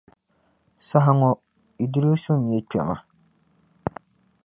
Saha ŋɔ Iddrisu n-nyɛ kpɛma.